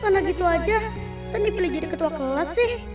karena gitu aja kan dipilih jadi ketua kelas sih